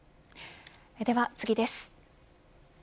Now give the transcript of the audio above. では次です。